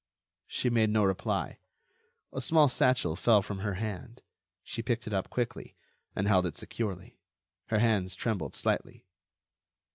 She made no reply. A small satchel fell from her hand. She picked it up quickly, and held it securely. Her hands trembled slightly.